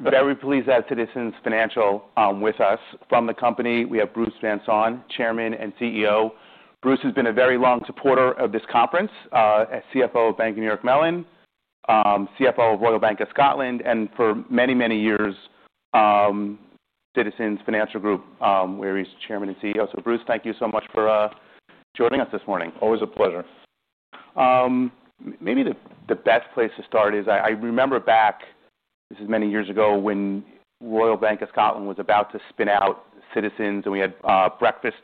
Very pleased to have Citizens Financial with us. From the company, we have Bruce Van Saun, Chairman and CEO. Bruce has been a very long supporter of this conference, CFO of Bank of New York Mellon, CFO of Royal Bank of Scotland, and for many, many years, Citizens Financial Group, where he's Chairman and CEO. Bruce, thank you so much for joining us this morning. Always a pleasure. Maybe the best place to start is I remember back, this is many years ago, when Royal Bank of Scotland was about to spin out Citizens, and we had breakfast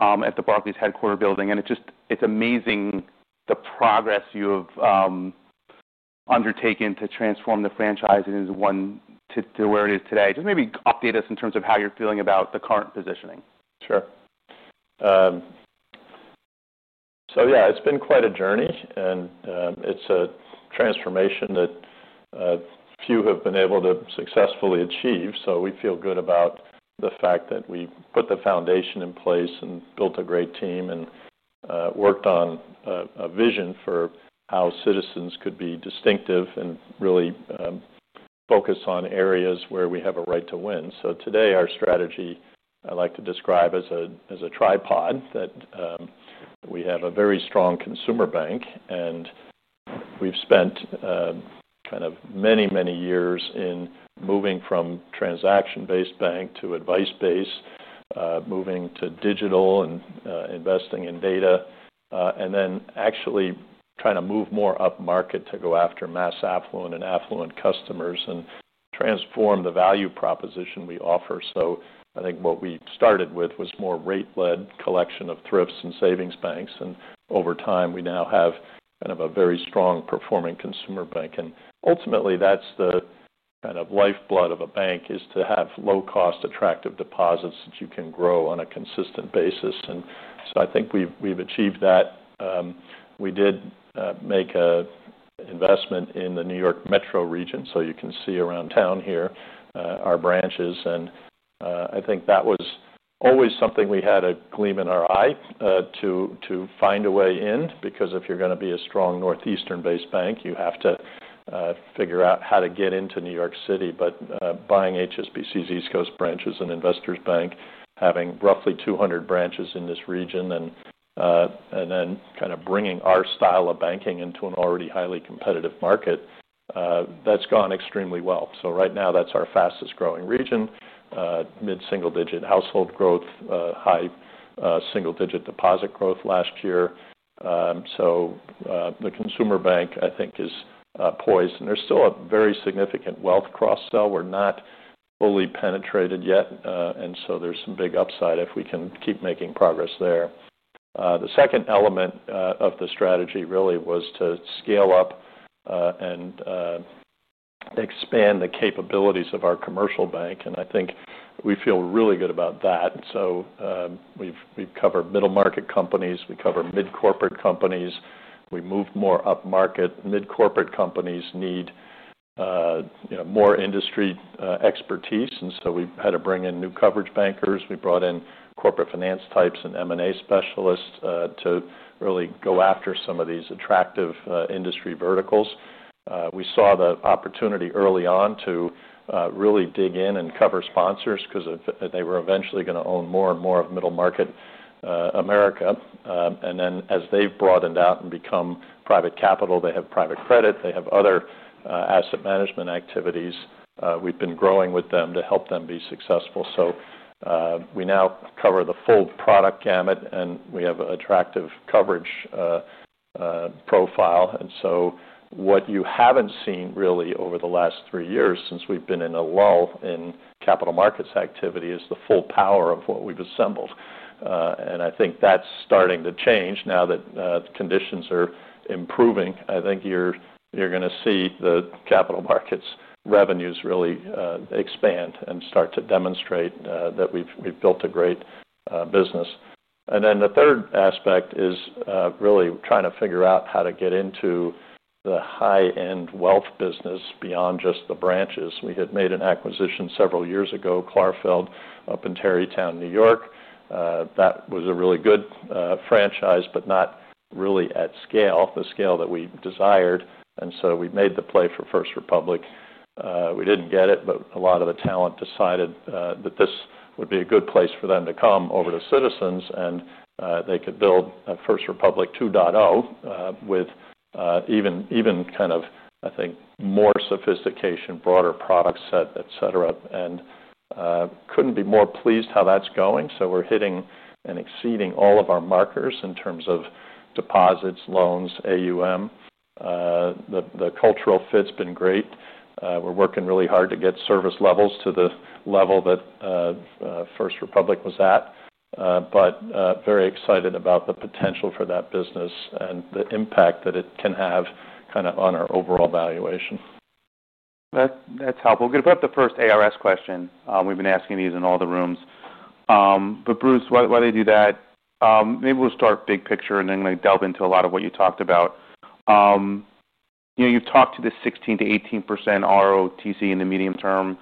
at the Barclays headquarter building. It's amazing the progress you have undertaken to transform the franchise and to where it is today. Just maybe update us in terms of how you're feeling about the current positioning. Sure. It's been quite a journey, and it's a transformation that few have been able to successfully achieve. We feel good about the fact that we put the foundation in place and built a great team and worked on a vision for how Citizens could be distinctive and really focus on areas where we have a right to win. Today, our strategy, I like to describe as a tripod, that we have a very strong consumer bank, and we've spent many, many years moving from transaction-based bank to advice-based, moving to digital and investing in data, and then actually trying to move more upmarket to go after mass affluent and affluent customers and transform the value proposition we offer. I think what we started with was more rate-led collection of thrifts and savings banks, and over time, we now have a very strong performing consumer bank. Ultimately, that's the kind of lifeblood of a bank, to have low-cost, attractive deposits that you can grow on a consistent basis. I think we've achieved that. We did make an investment in the New York Metro region. You can see around town here our branches. I think that was always something we had a gleam in our eye to find a way in, because if you're going to be a strong northeastern-based bank, you have to figure out how to get into New York City. Buying HSBC's East Coast branches and Investors Bank, having roughly 200 branches in this region, and then bringing our style of banking into an already highly competitive market, that's gone extremely well. Right now, that's our fastest growing region, mid-single-digit household growth, high single-digit deposit growth last year. The consumer bank is poised. There's still a very significant wealth cross-sell. We're not fully penetrated yet. There's some big upside if we can keep making progress there. The second element of the strategy really was to scale up and expand the capabilities of our commercial bank. I think we feel really good about that. We've covered middle-market companies. We cover mid-corporate companies. We moved more upmarket. Mid-corporate companies need more industry expertise. We had to bring in new coverage bankers. We brought in corporate finance types and merger and acquisition specialists to really go after some of these attractive industry verticals. We saw the opportunity early on to really dig in and cover sponsors, because they were eventually going to own more and more of middle-market America. As they've broadened out and become private capital, they have private credit. They have other asset management activities. We've been growing with them to help them be successful. We now cover the full product gamut, and we have an attractive coverage profile. What you haven't seen really over the last three years since we've been in a lull in capital markets activity is the full power of what we've assembled. I think that's starting to change now that conditions are improving. I think you're going to see the capital markets revenues really expand and start to demonstrate that we've built a great business. The third aspect is really trying to figure out how to get into the high-end wealth business beyond just the branches. We had made an acquisition several years ago, Clarfeld, up in Tarrytown, New York. That was a really good franchise, but not really at scale, the scale that we desired. We made the play for First Republic. We didn't get it, but a lot of the talent decided that this would be a good place for them to come over to Citizens, and they could build a First Republic 2.0 with even kind of, I think, more sophistication, broader product set, etc.. Couldn't be more pleased how that's going. We're hitting and exceeding all of our markers in terms of deposits, loans, AUM. The cultural fit's been great. We're working really hard to get service levels to the level that First Republic was at. Very excited about the potential for that business and the impact that it can have kind of on our overall valuation. That's helpful. We're going to put up the first ARS question. We've been asking these in all the rooms. Bruce, while they do that, maybe we'll start big picture, and then delve into a lot of what you talked about. You talked to the 16%-18% ROTCE in the medium term.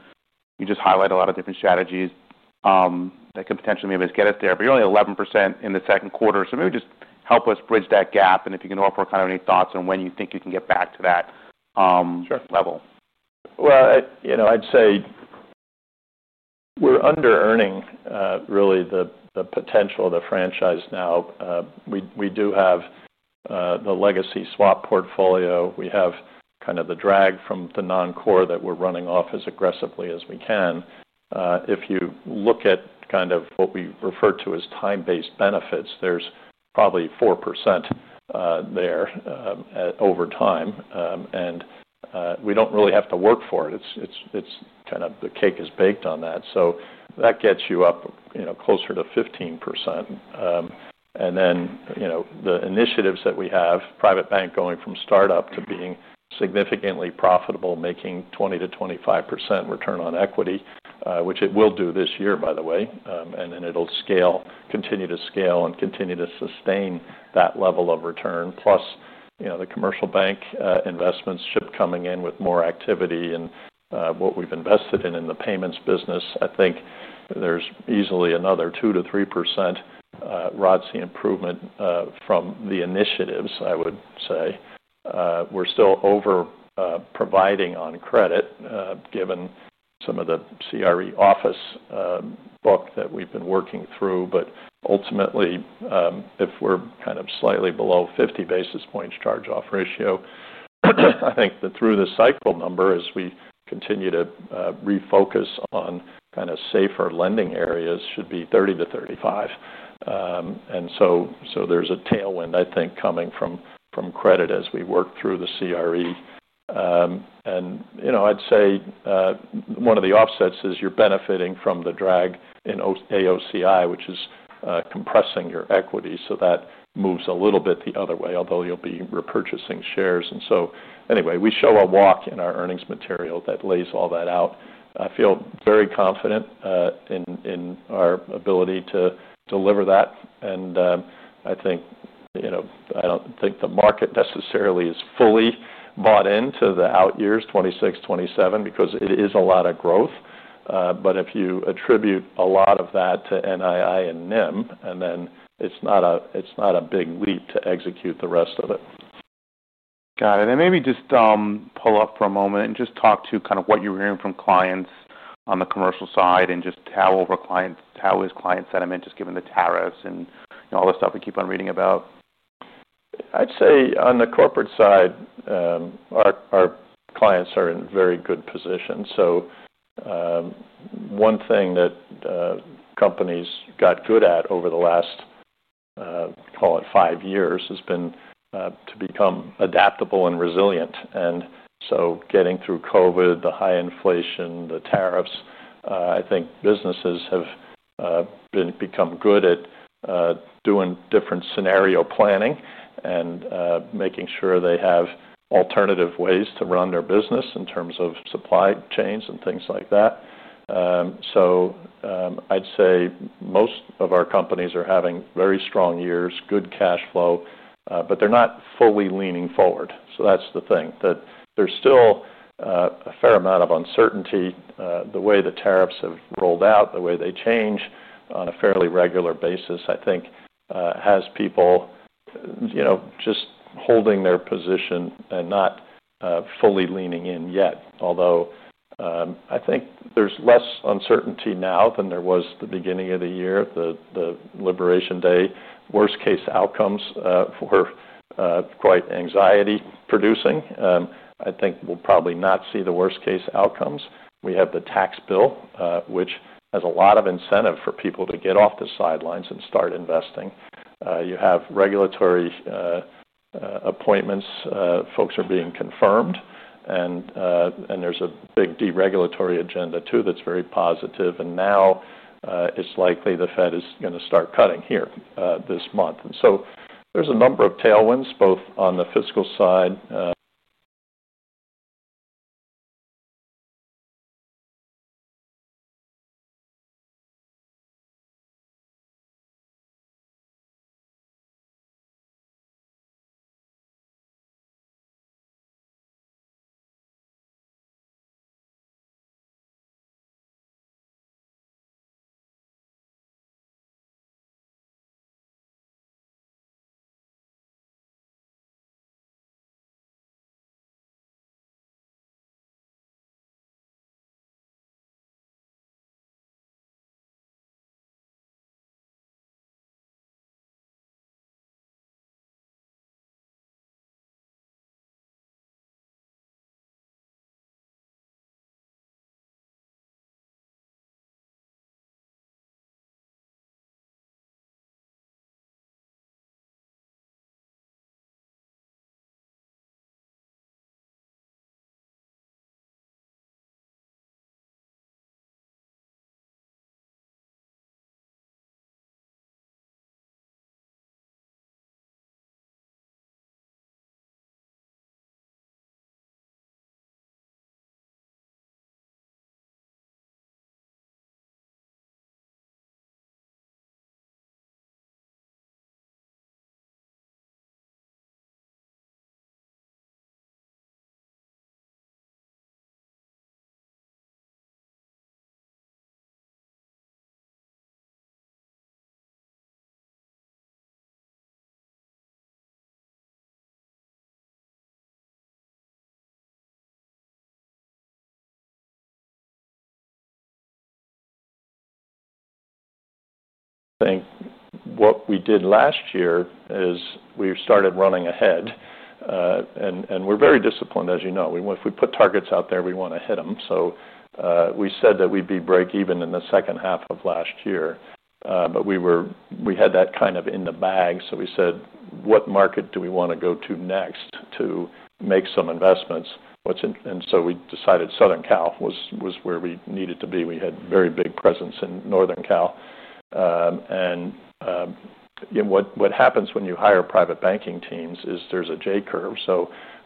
You just highlight a lot of different strategies that could potentially maybe get us there. You're only 11% in the second quarter. Maybe just help us bridge that gap. If you can offer kind of any thoughts on when you think you can get back to that level. Sure. You know, I'd say we're under-earning really the potential of the franchise now. We do have the legacy swap portfolio. We have kind of the drag from the non-core that we're running off as aggressively as we can. If you look at kind of what we refer to as time-based benefits, there's probably 4% there over time. We don't really have to work for it. It's kind of the cake is baked on that. That gets you up closer to 15%. The initiatives that we have, private bank going from startup to being significantly profitable, making 20%-25% return on equity, which it will do this year, by the way, will continue to scale and continue to sustain that level of return. Plus, the commercial bank investments keep coming in with more activity. What we've invested in in the payments business, I think there's easily another 2%-3% ROTCE improvement from the initiatives, I would say. We're still over-providing on credit, given some of the CRE office book that we've been working through. Ultimately, if we're kind of slightly below 50 basis points charge-off ratio, I think through the cycle number, as we continue to refocus on kind of safer lending areas, should be 30%-35%. There's a tailwind, I think, coming from credit as we work through the CRE. I'd say one of the offsets is you're benefiting from the drag in AOCI, which is compressing your equity. That moves a little bit the other way, although you'll be repurchasing shares. We show a walk in our earnings material that lays all that out. I feel very confident in our ability to deliver that. I think, you know, I don't think the market necessarily is fully bought into the out years, 2026, 2027, because it is a lot of growth. If you attribute a lot of that to NII and NIM, then it's not a big leap to execute the rest of it. Got it. Maybe just pull up for a moment and just talk to kind of what you're hearing from clients on the commercial side, and just how is client sentiment, just given the tariffs and all the stuff we keep on reading about? I'd say on the corporate side, our clients are in very good positions. One thing that companies got good at over the last, call it five years, has been to become adaptable and resilient. Getting through COVID, the high inflation, the tariffs, I think businesses have become good at doing different scenario planning and making sure they have alternative ways to run their business in terms of supply chains and things like that. I'd say most of our companies are having very strong years, good cash flow, but they're not fully leaning forward. That's the thing, that there's still a fair amount of uncertainty. The way the tariffs have rolled out, the way they change on a fairly regular basis, I think has people just holding their position and not fully leaning in yet. Although I think there's less uncertainty now than there was at the beginning of the year, the Liberation Day. Worst-case outcomes were quite anxiety-producing. I think we'll probably not see the worst-case outcomes. We have the tax bill, which has a lot of incentive for people to get off the sidelines and start investing. You have regulatory appointments. Folks are being confirmed. There's a big deregulatory agenda, too, that's very positive. Now it's likely the Fed is going to start cutting here this month. There's a number of tailwinds, both on the fiscal side. I think what we did last year is we started running ahead. We're very disciplined, as you know. If we put targets out there, we want to hit them. We said that we'd be break-even in the second half of last year. We had that kind of in the bag. We said, what market do we want to go to next to make some investments? We decided Southern Cal was where we needed to be. We had very big presence in Northern Cal. What happens when you hire private banking teams is there's a J curve.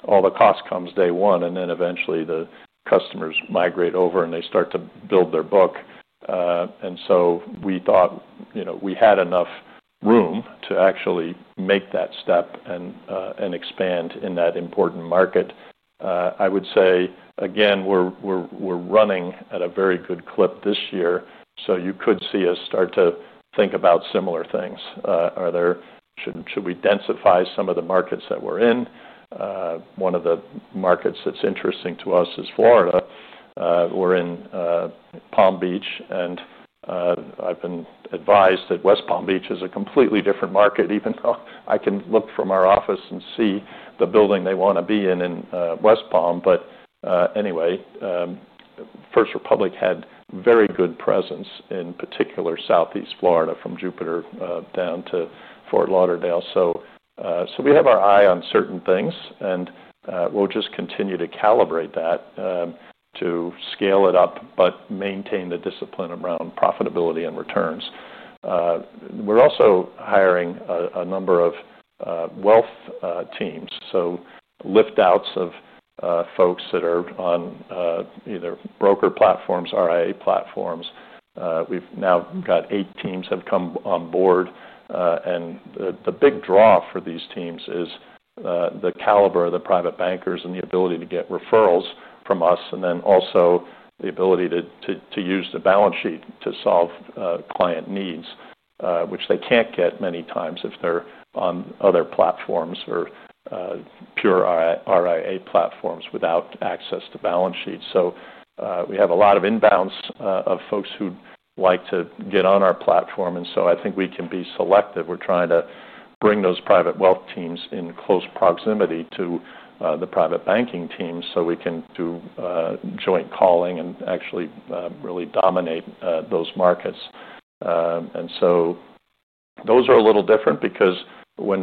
All the cost comes day one, and then eventually the customers migrate over, and they start to build their book. We thought we had enough room to actually make that step and expand in that important market. I would say, again, we're running at a very good clip this year. You could see us start to think about similar things. Should we densify some of the markets that we're in? One of the markets that's interesting to us is Florida. We're in Palm Beach. I have been advised that West Palm Beach is a completely different market, even though I can look from our office and see the building they want to be in in West Palm. Anyway, First Republic had very good presence in particular Southeast Florida, from Jupiter down to Fort Lauderdale. We have our eye on certain things. We will just continue to calibrate that to scale it up, but maintain the discipline around profitability and returns. We are also hiring a number of wealth teams, liftouts of folks that are on either broker platforms or RIA platforms. We have now got eight teams that have come on board. The big draw for these teams is the caliber of the private bankers and the ability to get referrals from us, and then also the ability to use the balance sheet to solve client needs, which they cannot get many times if they are on other platforms or pure RIA platforms without access to balance sheets. We have a lot of inbounds of folks who would like to get on our platform. I think we can be selective. We are trying to bring those private wealth teams in close proximity to the private banking teams so we can do joint calling and actually really dominate those markets. Those are a little different, because when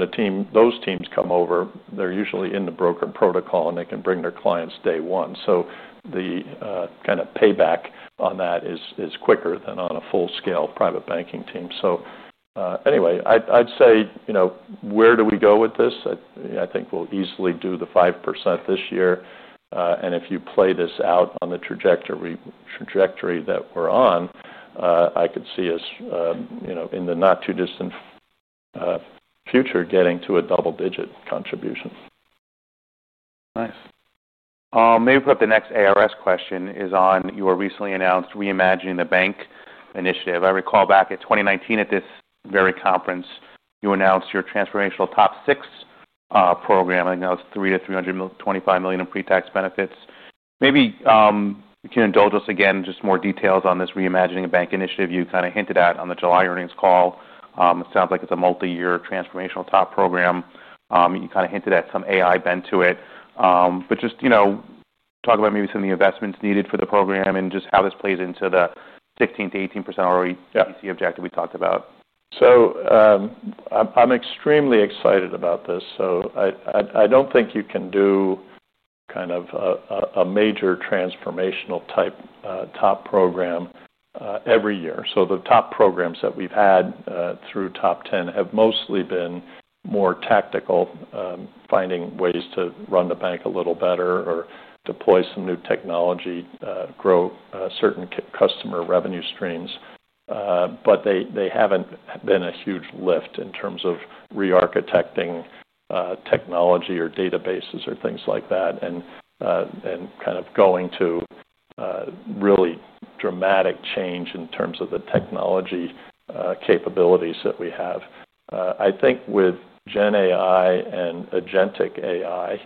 those teams come over, they are usually in the broker protocol, and they can bring their clients day one. The kind of payback on that is quicker than on a full-scale private banking team. I would say, you know, where do we go with this? I think we will easily do the 5% this year. If you play this out on the trajectory that we are on, I could see us in the not-too-distant future getting to a double-digit contribution. Nice. Maybe we'll put up the next ARS question. It is on your recently announced Reimagine the Bank initiative. I recall back in 2019, at this very conference, you announced your transformational Top Six program. I think that was $300 million-$325 million in pre-tax benefits. Maybe you can indulge us again in just more details on this Reimagine the Bank initiative. You kind of hinted at it on the July earnings call. It sounds like it's a multi-year transformational Top program. You kind of hinted at some AI bent to it. Just, you know, talk about maybe some of the investments needed for the program and just how this plays into the 16%-18% ROE efficiency objective we talked about. I'm extremely excited about this. I don't think you can do kind of a major transformational type top program every year. The top programs that we've had through Top 10 have mostly been more tactical, finding ways to run the bank a little better or deploy some new technology, grow certain customer revenue streams. They haven't been a huge lift in terms of re-architecting technology or databases or things like that and kind of going to really dramatic change in terms of the technology capabilities that we have. I think with gen AI and agentic AI,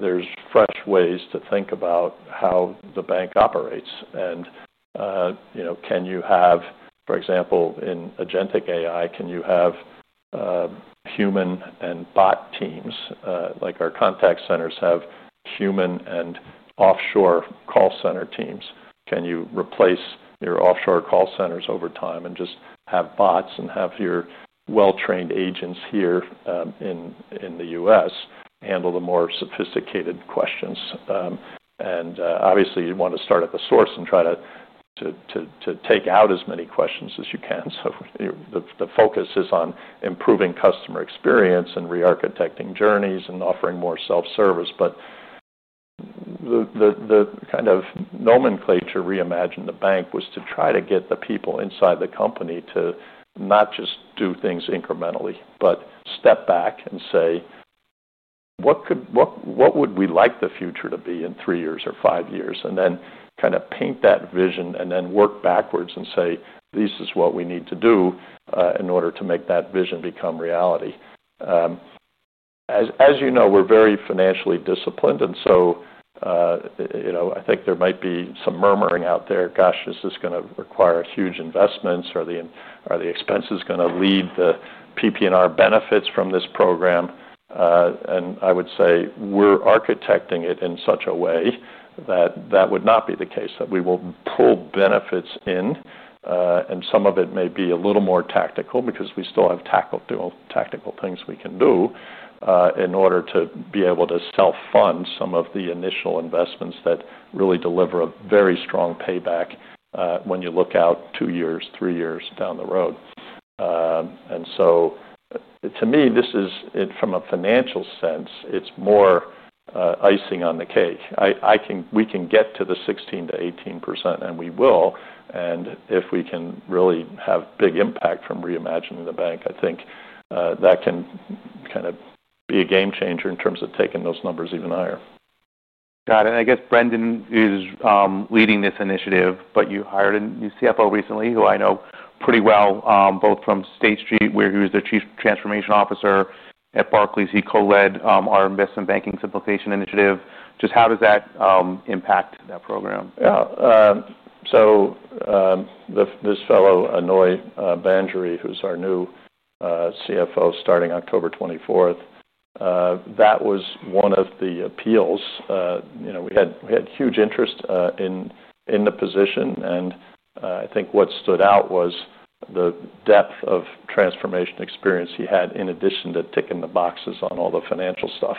there's fresh ways to think about how the bank operates. Can you have, for example, in agentic AI, human and bot teams? Like our contact centers have human and offshore call center teams. Can you replace your offshore call centers over time and just have bots and have your well-trained agents here in the U.S. handle the more sophisticated questions? Obviously, you want to start at the source and try to take out as many questions as you can. The focus is on improving customer experience and re-architecting journeys and offering more self-service. The kind of nomenclature Reimagine the Bank was to try to get the people inside the company to not just do things incrementally, but step back and say, what would we like the future to be in three years or five years? Then kind of paint that vision and work backwards and say, this is what we need to do in order to make that vision become reality. As you know, we're very financially disciplined. I think there might be some murmuring out there, gosh, is this going to require huge investments? Are the expenses going to lead the PP&R benefits from this program? I would say we're architecting it in such a way that that would not be the case, that we will pull benefits in. Some of it may be a little more tactical, because we still have tactical things we can do in order to be able to self-fund some of the initial investments that really deliver a very strong payback when you look out two years, three years down the road. To me, this is from a financial sense, it's more icing on the cake. We can get to the 16%-18%, and we will. If we can really have big impact from Reimagine the Bank, I think that can kind of be a game changer in terms of taking those numbers even higher. Got it. I guess Brendan is leading this initiative, but you hired a new CFO recently, who I know pretty well, both from State Street, where he was the Chief Transformation Officer at Barclays. He co-led our Investment Banking Simplification Initiative. Just how does that impact that program? Yeah. This fellow, Aunoy Banerjee, who's our new CFO starting October 24, that was one of the appeals. We had huge interest in the position. I think what stood out was the depth of transformation experience he had in addition to ticking the boxes on all the financial stuff.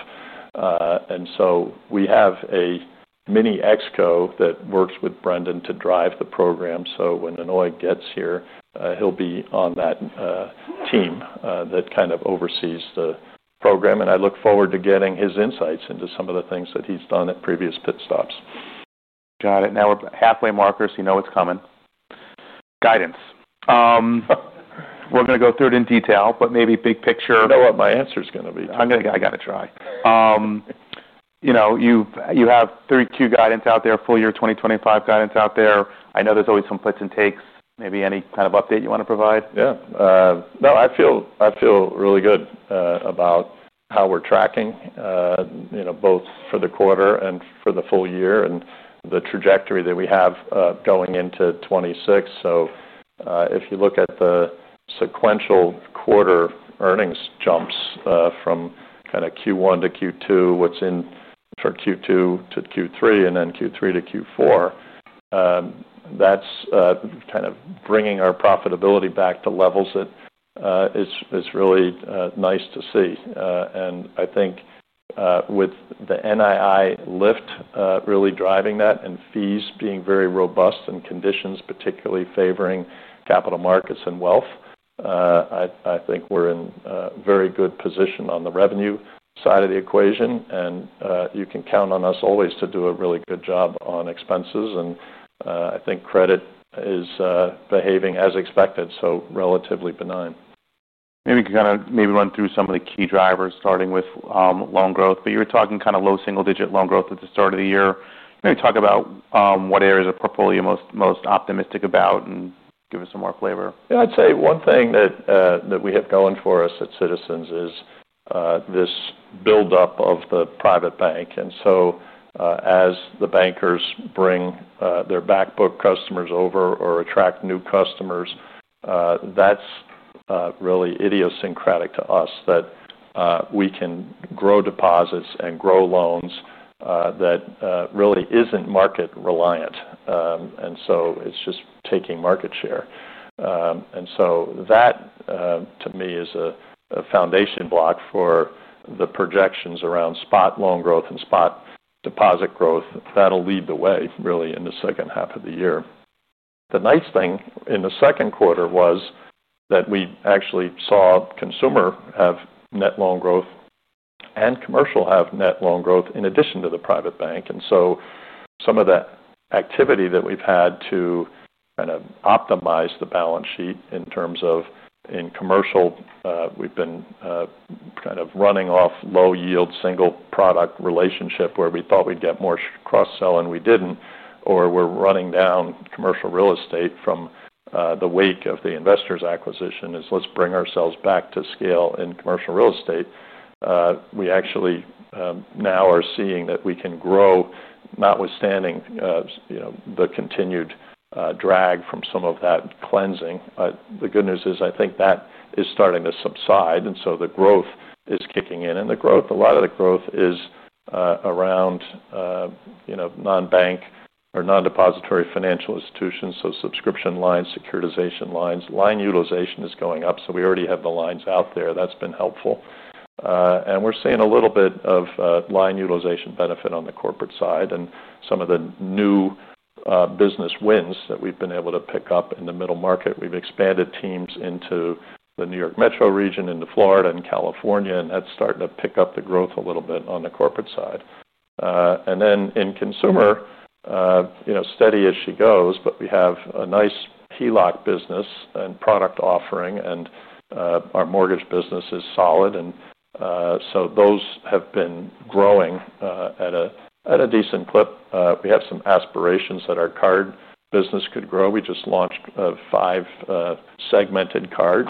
We have a mini exco that works with Brendan to drive the program. When Aunoy gets here, he'll be on that team that kind of oversees the program. I look forward to getting his insights into some of the things that he's done at previous pit stops. Got it. Now we're at the halfway mark, so you know it's coming. Guidance. We're going to go through it in detail, but maybe big picture. You know what my answer's going to be. I got to try. You have 3Q guidance out there, full-year 2025 guidance out there. I know there's always some puts and takes. Maybe any kind of update you want to provide? Yeah. No, I feel really good about how we're tracking, you know, both for the quarter and for the full year and the trajectory that we have going into 2026. If you look at the sequential quarter earnings jumps from kind of Q1 to Q2, what's in for Q2 to Q3, and then Q3 to Q4, that's kind of bringing our profitability back to levels that it's really nice to see. I think with the NII lift really driving that and fees being very robust and conditions particularly favoring capital markets and wealth, I think we're in a very good position on the revenue side of the equation. You can count on us always to do a really good job on expenses. I think credit is behaving as expected, so relatively benign. Maybe you can kind of run through some of the key drivers, starting with loan growth. You were talking kind of low single-digit loan growth at the start of the year. Maybe talk about what areas of the portfolio you're most optimistic about and give us some more flavor. Yeah, I'd say one thing that we have going for us at Citizens is this build-up of the private bank. As the bankers bring their backbook customers over or attract new customers, that's really idiosyncratic to us, that we can grow deposits and grow loans that really isn't market-reliant. It's just taking market share. That to me is a foundation block for the projections around spot loan growth and spot deposit growth that'll lead the way really in the second half of the year. The nice thing in the second quarter was that we actually saw consumer have net loan growth and commercial have net loan growth in addition to the private bank. Some of that activity that we've had to kind of optimize the balance sheet in terms of in commercial, we've been kind of running off low-yield single product relationship where we thought we'd get more cross-sell and we didn't, or we're running down commercial real estate from the wake of the Investors acquisition is let's bring ourselves back to scale in commercial real estate. We actually now are seeing that we can grow, notwithstanding the continued drag from some of that cleansing. The good news is I think that is starting to subside. The growth is kicking in. A lot of the growth is around non-bank or non-depository financial institutions, so subscription lines, securitization lines. Line utilization is going up. We already have the lines out there. That's been helpful. We're seeing a little bit of line utilization benefit on the corporate side and some of the new business wins that we've been able to pick up in the middle market. We've expanded teams into the New York Metro region, into Florida and California, and that's starting to pick up the growth a little bit on the corporate side. In consumer, you know, steady as she goes, but we have a nice HELOC business and product offering, and our mortgage business is solid. Those have been growing at a decent clip. We have some aspirations that our card business could grow. We just launched five segmented cards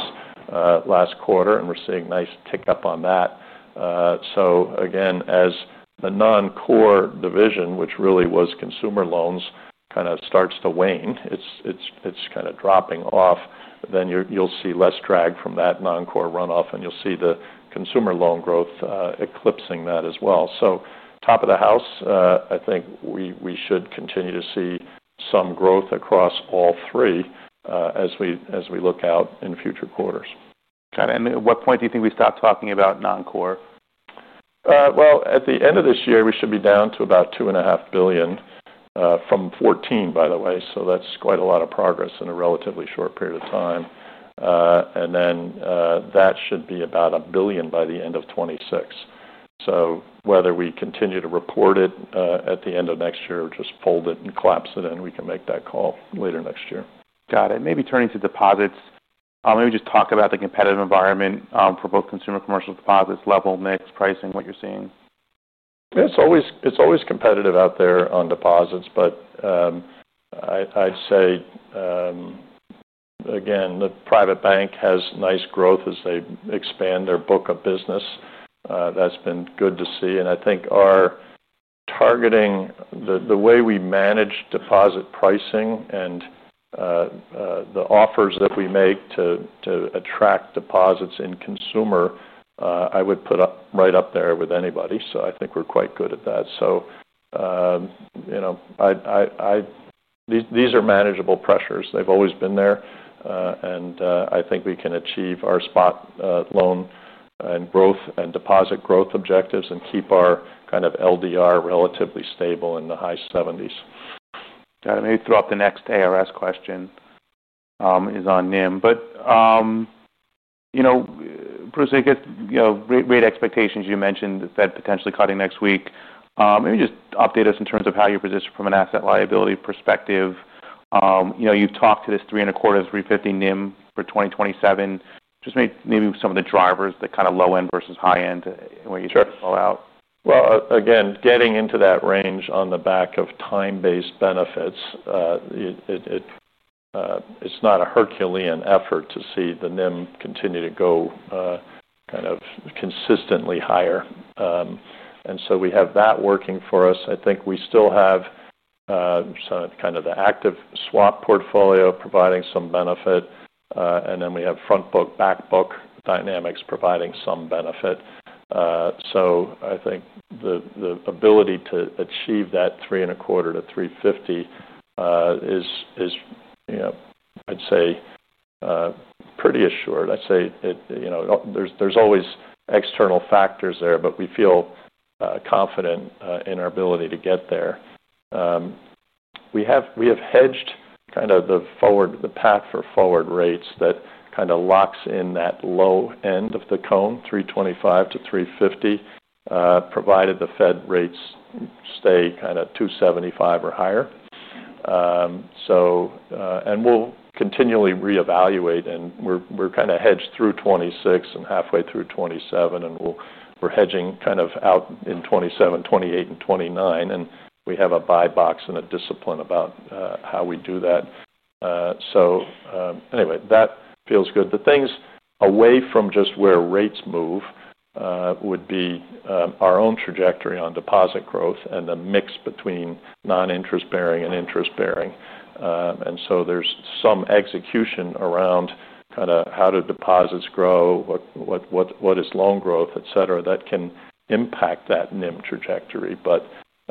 last quarter, and we're seeing a nice tick-up on that. As the non-core division, which really was consumer loans, kind of starts to wane, it's kind of dropping off, then you'll see less drag from that non-core runoff, and you'll see the consumer loan growth eclipsing that as well. Top of the house, I think we should continue to see some growth across all three as we look out in future quarters. At what point do you think we stop talking about non-core? At the end of this year, we should be down to about $2.5 billion from $14 billion, by the way. That's quite a lot of progress in a relatively short period of time. That should be about $1 billion by the end of 2026. Whether we continue to report it at the end of next year or just fold it and collapse it in, we can make that call later next year. Got it. Maybe turning to deposits, maybe just talk about the competitive environment for both consumer and commercial deposits, level, mix, pricing, what you're seeing. It's always competitive out there on deposits. I'd say, again, the private bank has nice growth as they expand their book of business. That's been good to see. I think our targeting, the way we manage deposit pricing and the offers that we make to attract deposits in consumer, I would put right up there with anybody. I think we're quite good at that. These are manageable pressures. They've always been there. I think we can achieve our spot loan and growth and deposit growth objectives and keep our kind of LDR relatively stable in the high 70s. Got it. Maybe throw up the next ARS question. It is on NIM. Bruce, I guess, rate expectations, you mentioned the Fed potentially cutting next week. Maybe just update us in terms of how you're positioned from an asset-liability perspective. You talked to this 3.25 or 3.50 NIM for 2027. Just maybe some of the drivers, the kind of low-end versus high-end, and where you think you fall out. Getting into that range on the back of time-based benefits, it's not a Herculean effort to see the NIM continue to go kind of consistently higher. We have that working for us. I think we still have the active swap portfolio providing some benefit, and then we have frontbook, backbook dynamics providing some benefit. I think the ability to achieve that 3.25%-3.50% is, you know, I'd say pretty assured. There's always external factors there, but we feel confident in our ability to get there. We have hedged the path for forward rates that kind of locks in that low end of the cone, 3.25% to 3.50%, provided the Fed rates stay 2.75% or higher. We'll continually re-evaluate. We're hedged through 2026 and halfway through 2027, and we're hedging out in 2027, 2028, and 2029. We have a buy box and a discipline about how we do that. That feels good. The things away from just where rates move would be our own trajectory on deposit growth and the mix between non-interest bearing and interest bearing. There's some execution around how deposits grow, what is loan growth, etc., that can impact that NIM trajectory.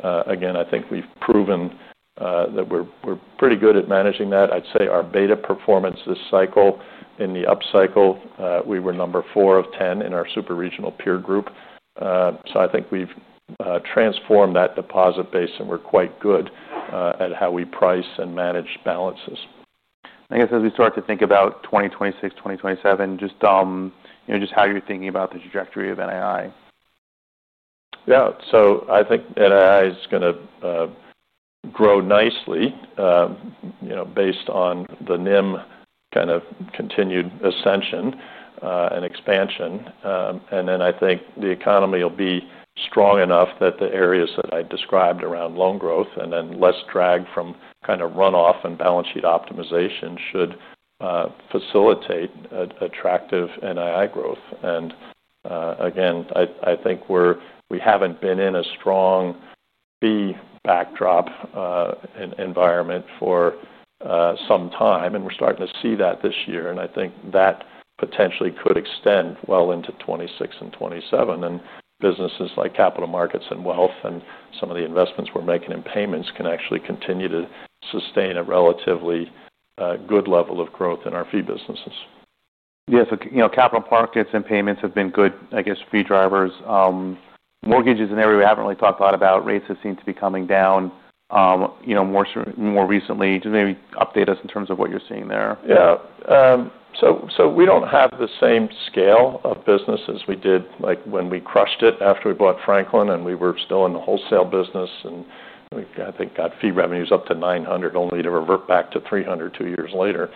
I think we've proven that we're pretty good at managing that. I'd say our beta performance this cycle in the upcycle, we were number 4 of 10 in our super regional peer group. I think we've transformed that deposit base, and we're quite good at how we price and manage balances. I guess as we start to think about 2026, 2027, just how you're thinking about the trajectory of NII. Yeah. I think NII is going to grow nicely, you know, based on the NIM kind of continued ascension and expansion. I think the economy will be strong enough that the areas that I described around loan growth and then less drag from kind of runoff and balance sheet optimization should facilitate attractive NII growth. I think we haven't been in a strong fee backdrop environment for some time. We're starting to see that this year. I think that potentially could extend well into 2026 and 2027. Businesses like capital markets and wealth and some of the investments we're making in payments can actually continue to sustain a relatively good level of growth in our fee businesses. Yeah. Capital markets and payments have been good, I guess, fee drivers. Mortgage is an area we haven't really talked a lot about. Rates have seemed to be coming down, you know, more recently. Just maybe update us in terms of what you're seeing there. Yeah. We don't have the same scale of business as we did when we crushed it after we bought Franklin, and we were still in the wholesale business. I think we got fee revenues up to $900 million only to revert back to $300 million two years later.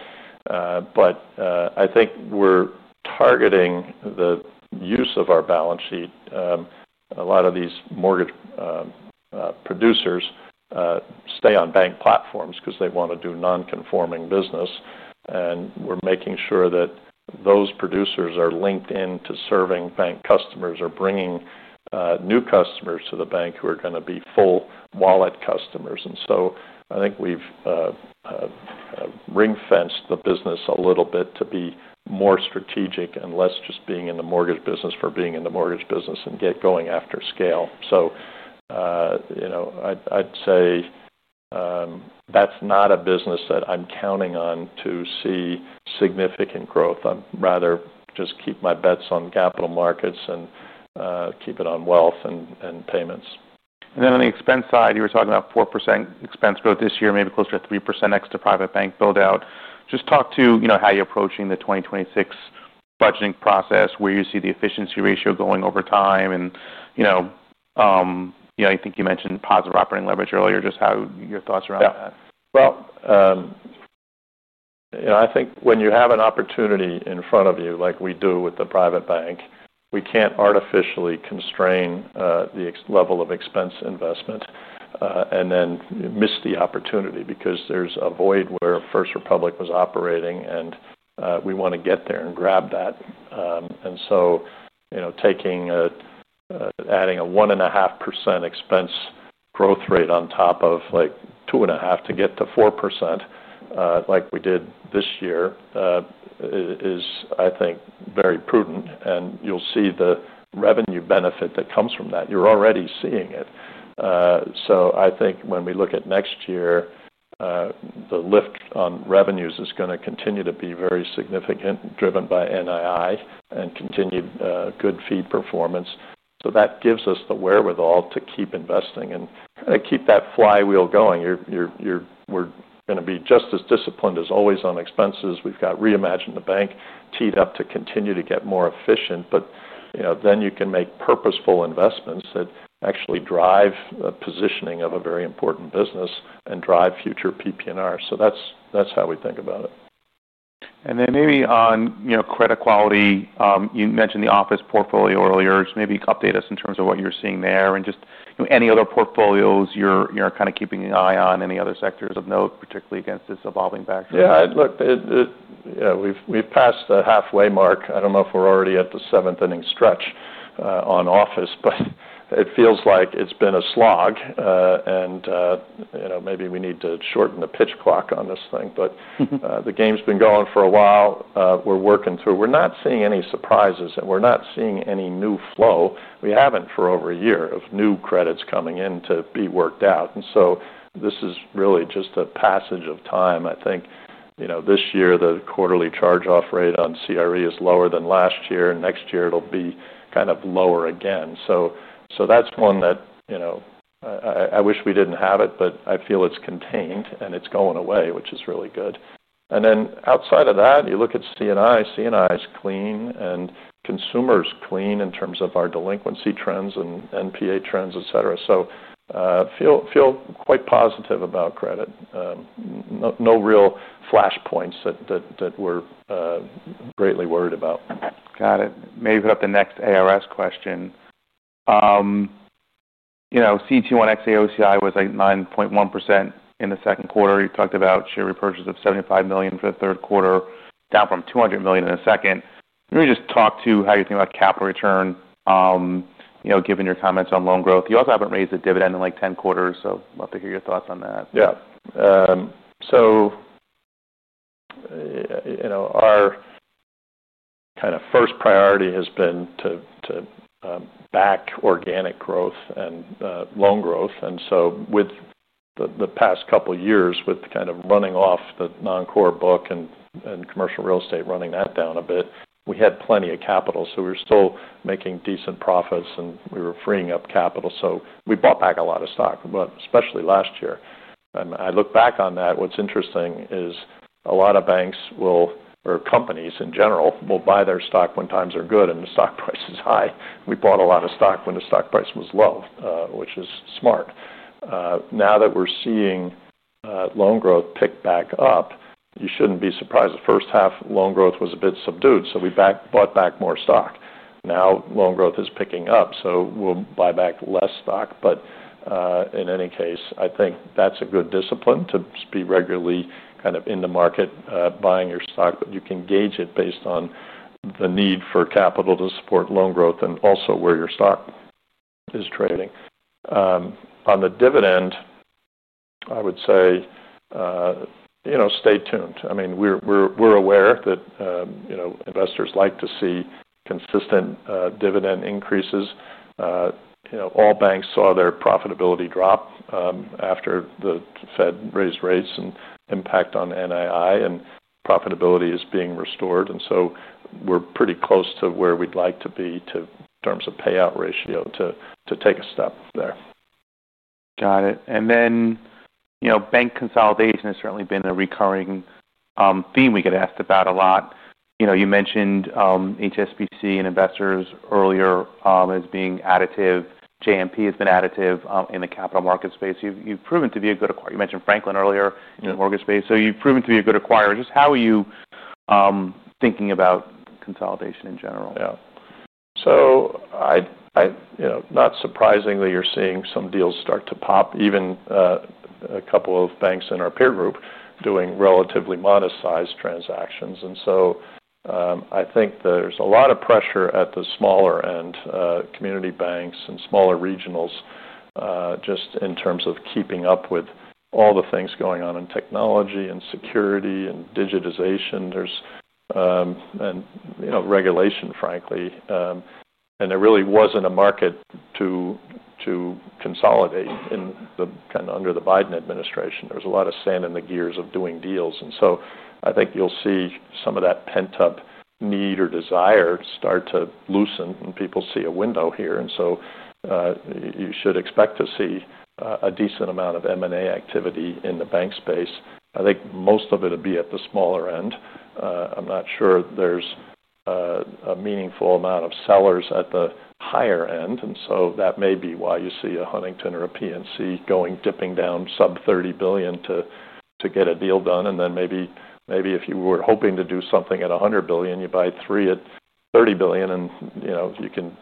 I think we're targeting the use of our balance sheet. A lot of these mortgage producers stay on bank platforms because they want to do non-conforming business. We're making sure that those producers are linked in to serving bank customers or bringing new customers to the bank who are going to be full wallet customers. I think we've ring-fenced the business a little bit to be more strategic and less just being in the mortgage business for being in the mortgage business and going after scale. I'd say that's not a business that I'm counting on to see significant growth. I'd rather just keep my bets on capital markets and keep it on wealth and payments. On the expense side, you were talking about 4% expense growth this year, maybe closer to 3% next year due to private bank build-out. Talk to how you're approaching the 2026 budgeting process, where you see the efficiency ratio going over time. I think you mentioned positive operating leverage earlier, just your thoughts around that. I think when you have an opportunity in front of you, like we do with the private bank, we can't artificially constrain the level of expense investment and then miss the opportunity, because there's a void where First Republic was operating, and we want to get there and grab that. Adding a 1.5% expense growth rate on top of 2.5% to get to 4% like we did this year is, I think, very prudent. You'll see the revenue benefit that comes from that. You're already seeing it. I think when we look at next year, the lift on revenues is going to continue to be very significant, driven by NII and continued good fee performance. That gives us the wherewithal to keep investing and keep that flywheel going. We're going to be just as disciplined as always on expenses. We've got Reimagine the Bank teed up to continue to get more efficient. You can make purposeful investments that actually drive the positioning of a very important business and drive future PP&R. That's how we think about it. Maybe on credit quality, you mentioned the office portfolio earlier. Could you update us in terms of what you're seeing there and any other portfolios you're keeping an eye on, any other sectors of note, particularly against this evolving background? Yeah. Look, we've passed the halfway mark. I don't know if we're already at the seventh inning stretch on office, but it feels like it's been a slog. Maybe we need to shorten the pitch clock on this thing. The game's been going for a while. We're working through. We're not seeing any surprises, and we're not seeing any new flow. We haven't for over a year of new credits coming in to be worked out. This is really just a passage of time. I think, you know, this year the quarterly charge-off rate on CRE is lower than last year. Next year, it'll be kind of lower again. That's one that, you know, I wish we didn't have it, but I feel it's contained, and it's going away, which is really good. Outside of that, you look at C&I. C&I is clean, and consumer's clean in terms of our delinquency trends and NPA trends, etc.. Feel quite positive about credit. No real flash points that we're greatly worried about. Got it. Maybe put up the next ARS question. You know, C2 on ex-AOCI was like 9.1% in the second quarter. You talked about share repurchase of $75 million for the third quarter, down from $200 million in the second. Maybe just talk to how you think about capital return, you know, given your comments on loan growth. You also haven't raised a dividend in like 10 quarters. I'd love to hear your thoughts on that. Yeah. Our kind of first priority has been to back organic growth and loan growth. With the past couple of years, with running off the non-core book and commercial real estate running that down a bit, we had plenty of capital. We were still making decent profits, and we were freeing up capital. We bought back a lot of stock, especially last year. I look back on that. What's interesting is a lot of banks or companies in general will buy their stock when times are good and the stock price is high. We bought a lot of stock when the stock price was low, which is smart. Now that we're seeing loan growth pick back up, you shouldn't be surprised the first half loan growth was a bit subdued. We bought back more stock. Now loan growth is picking up. We'll buy back less stock. In any case, I think that's a good discipline to be regularly in the market buying your stock. You can gauge it based on the need for capital to support loan growth and also where your stock is trading. On the dividend, I would say stay tuned. I mean, we're aware that investors like to see consistent dividend increases. All banks saw their profitability drop after the Fed raised rates and impact on NII, and profitability is being restored. We're pretty close to where we'd like to be in terms of payout ratio to take a step there. Got it. You know, bank consolidation has certainly been a recurring theme we get asked about a lot. You mentioned HSBC and Investors earlier as being additive. JNP has been additive in the capital market space. You've proven to be a good acquirer. You mentioned Franklin earlier in the mortgage space. You've proven to be a good acquirer. Just how are you thinking about consolidation in general? Yeah. Not surprisingly, you're seeing some deals start to pop, even a couple of banks in our peer group doing relatively modest size transactions. I think there's a lot of pressure at the smaller end, community banks and smaller regionals, just in terms of keeping up with all the things going on in technology and security and digitization and regulation, frankly. There really wasn't a market to consolidate in under the Biden administration. There was a lot of sand in the gears of doing deals. I think you'll see some of that pent-up need or desire start to loosen, and people see a window here. You should expect to see a decent amount of M&A activity in the bank space. I think most of it will be at the smaller end. I'm not sure there's a meaningful amount of sellers at the higher end. That may be why you see a Huntington or a PNC dipping down sub $30 billion to get a deal done. Maybe if you were hoping to do something at $100 billion, you buy three at $30 billion.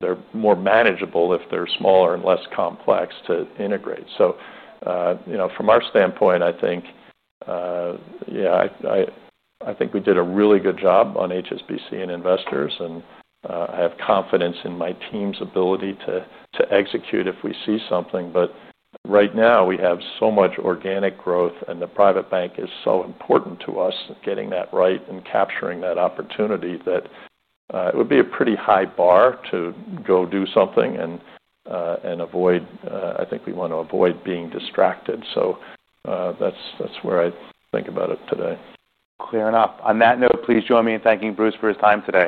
They're more manageable if they're smaller and less complex to integrate. From our standpoint, I think we did a really good job on HSBC and Investors. I have confidence in my team's ability to execute if we see something. Right now, we have so much organic growth, and the private bank is so important to us getting that right and capturing that opportunity that it would be a pretty high bar to go do something. I think we want to avoid being distracted. That's where I think about it today. Clear enough. On that note, please join me in thanking Bruce for his time today.